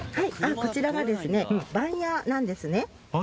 こちらが番屋なんですね。